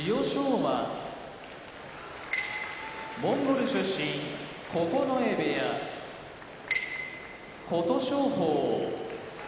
馬モンゴル出身九重部屋琴勝峰